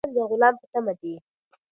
سپی اوس هم د غلام په تمه دی.